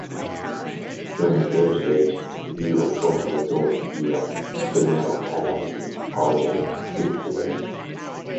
During this later stage, the Neoproterozoic era, a Brasiliano-Pan African orogenic system developed.